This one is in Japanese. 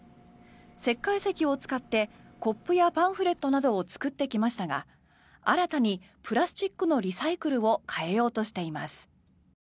石灰石を使ってコップやパンフレットなどを作ってきましたが新たにプラスチックのリサイクルを変えようとしています。